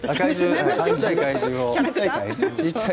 小っちゃい怪獣を。